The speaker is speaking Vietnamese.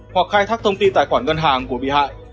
hoặc khai thác thông tin tài khoản ngân hàng của bị hại